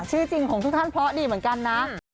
ชื่อจริงของทุกท่านเพราะดีเหมือนกันนะ